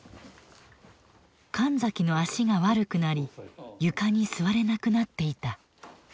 神崎の足が悪くなり床に座れなくなっていた。